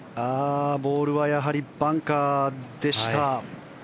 ボールはやはりバンカーでした。